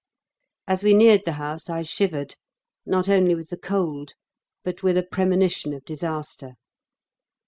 As we neared the house I shivered, not only with the cold, but with a premonition of disaster.